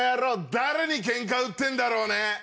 誰にケンカ売ってるんだろうね？